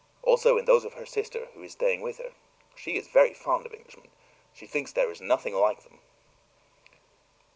Also in those of her sister, who is staying with her. She is very fond of Englishmen. She thinks there is nothing like them."